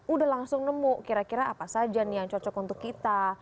udah langsung nemu kira kira apa saja nih yang cocok untuk kita